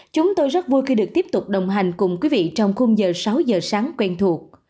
chúng tôi rất vui khi được tiếp tục đồng hành cùng quý vị trong khung giờ sáu giờ sáng quen thuộc